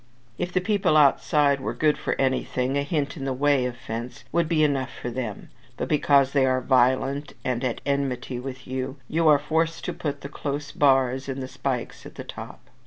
If the people outside were good for anything, a hint in the way of fence would be enough for them; but because they are violent and at enmity with you, you are forced to put the close bars and the spikes at the top.